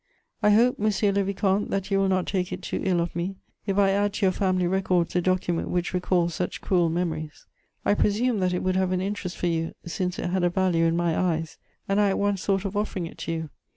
"I hope, monsieur le vicomte, that you will not take it too ill of me if I add to your family records a document which recalls such cruel memories. I presumed that it would have an interest for you, since it had a value in my eyes, and I at once thought of offering it to you.